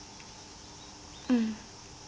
うん。